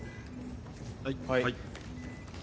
はい。